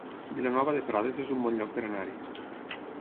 Vilanova de Prades es un bon lloc per anar-hi